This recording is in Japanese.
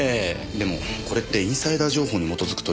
でもこれってインサイダー情報に基づく取引ですよね。